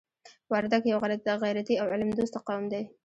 وردګ یو غیرتي او علم دوسته قوم دی.